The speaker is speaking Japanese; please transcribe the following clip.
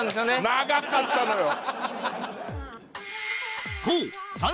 長かったのよ。